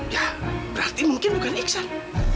ya berarti mungkin bukan iksan